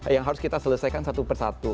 yang harus kita selesaikan satu persatu